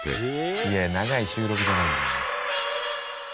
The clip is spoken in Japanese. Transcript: いや長い収録じゃないんだから。